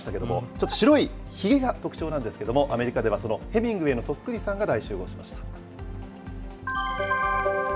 ちょっと白いひげが特徴なんですけれども、アメリカではそのヘミングウェーのそっくりさんが大集合しました。